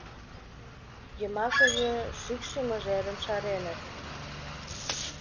Йымакыже шӱкшӧ мыжерым шареныт.